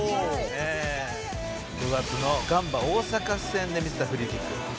「５月のガンバ大阪戦で見せたフリーキック」